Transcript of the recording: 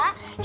ah dah jua